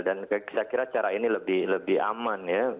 dan saya kira cara ini lebih aman ya